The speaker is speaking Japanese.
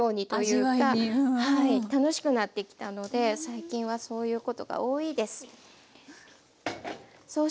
楽しくなってきたので最近はそういうことが多いです。